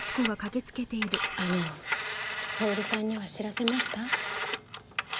あの享さんには知らせました？